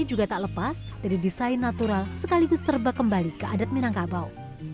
ini juga tak lepas dari desain natural sekaligus serba kembali ke adat minangkabau